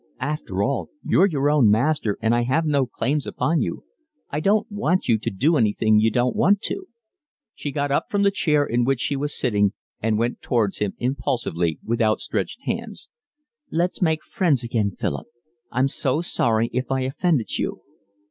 After all, you're your own master and I have no claims upon you. I don't want you to do anything you don't want to." She got up from the chair in which she was sitting and went towards him impulsively, with outstretched hands. "Let's make friends again, Philip. I'm so sorry if I offended you."